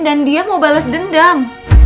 dan dia mau bales dendam